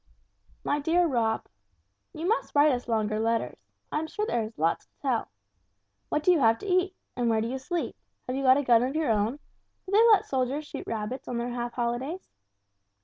"MY DEAR ROB: "You must write us longer letters. I am quite sure there is lots to tell. What do you have to eat? And where do you sleep? Have you got a gun of your own? Do they let soldiers shoot rabbits on their half holidays?